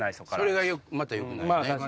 それがまたよくないね。